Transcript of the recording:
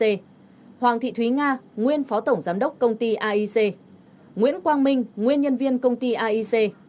hoàng thị thúy nga nguyên phó tổng giám đốc công ty aic nguyễn quang minh nguyên nhân viên công ty aic